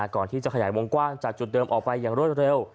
ก่อนที่จะขยายวงกว้างจากจุดเดิมออกไปอย่างรวดเร็ว